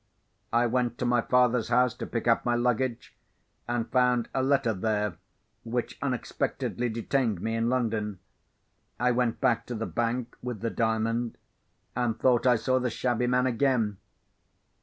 I went to my father's house to pick up my luggage, and found a letter there, which unexpectedly detained me in London. I went back to the bank with the Diamond, and thought I saw the shabby man again.